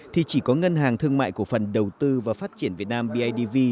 thì chỉ có ngân hàng thương mại cổ phần đầu tư và phát triển việt nam bidv